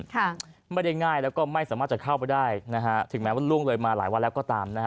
ค่ะไม่ได้ง่ายแล้วก็ไม่สามารถจะเข้าได้นะฮะ